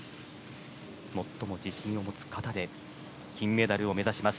最も自信を持つ形で金メダルを目指します。